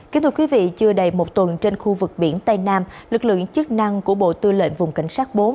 kính thưa quý vị chưa đầy một tuần trên khu vực biển tây nam lực lượng chức năng của bộ tư lệnh vùng cảnh sát bốn